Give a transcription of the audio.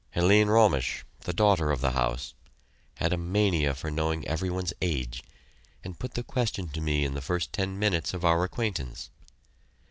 Helene Romisch, the daughter of the house, had a mania for knowing every one's age, and put the question to me in the first ten minutes of our acquaintance.